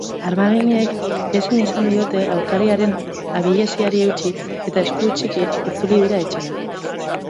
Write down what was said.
Armaginek ezin izan diote aurkariaren abileziari eutsi eta esku hutsik itzuli dira etxera.